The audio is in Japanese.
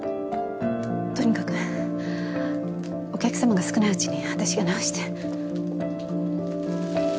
とにかくお客さまが少ないうちにあたしが直して。